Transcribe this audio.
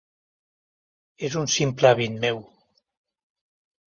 És un simple hàbit meu.